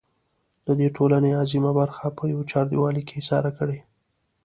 د دې ټـولنې اعظـيمه بـرخـه پـه يـوه چـارديـوالي کـې اېـسارې کـړي.